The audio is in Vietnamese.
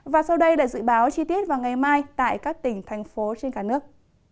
và sau đây là dự báo chi tiết vào ngày mai tại các tỉnh thành phố trên cả nước